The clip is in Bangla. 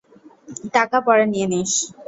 টাকা পরে নিয়ে নিস।